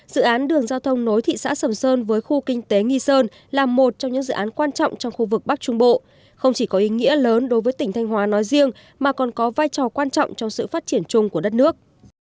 dự án đường giao thông nối thị xã sầm sơn với khu kinh tế nghi sơn là một trong những dự án quan trọng trong khu vực bắc trung bộ không chỉ có ý nghĩa lớn đối với tỉnh thanh hóa nói riêng mà còn có vai trò quan trọng trong sự phát triển chung của đất nước